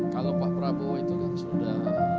kalau pak prabowo itu kan sudah